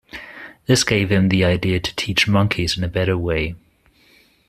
This gave him the idea to teach monkeys in a better way.